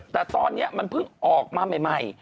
แต่ตอนนี้มันเพิ่งออกมาใหม่